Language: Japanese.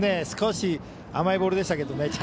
少し甘いボールでしたけどね。